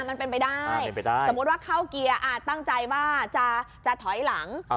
มันเป็นไปได้สมมุติว่าเข้าเกียร์ตั้งใจว่าจะถอยหลัง